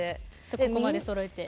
そこまでそろえて。